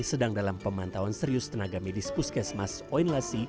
sedang dalam pemantauan serius tenaga medis puskesmas oinlasi